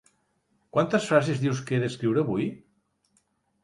Quantes frases dius que he d'escriure avui?